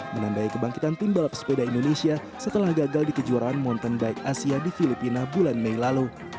menandai kebangkitan tim balap sepeda indonesia setelah gagal di kejuaraan mountain bike asia di filipina bulan mei lalu